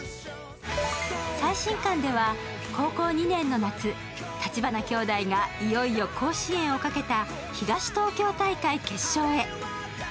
最新刊では、高校２年の夏、立花兄弟がいよいよ甲子園をかけた東東京大会決勝へ。